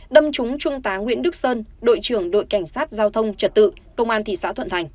đâm trúng trung tá nguyễn đức sơn đội trưởng đội cảnh sát giao thông trật tự công an thị xã thuận thành